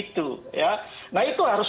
itu nah itu harus